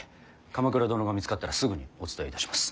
鎌倉殿が見つかったらすぐにお伝えいたします。